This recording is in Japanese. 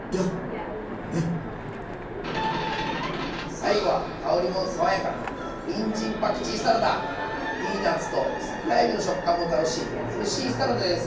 最後は香りも爽やかなピーナツと桜えびの食感も楽しいヘルシーサラダです。